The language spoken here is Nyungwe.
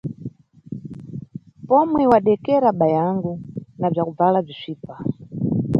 Momwe wadekera bayangu, na bzakubvala bzisvipa.